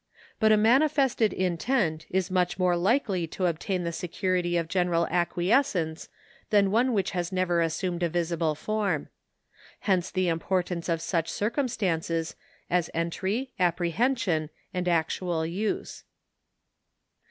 But a manifested intent is much more likely to obtain the security of general acquiescence than one which has never assumed a visible form. Hence the importance of such circumstances as entry, apprehension, and actual use.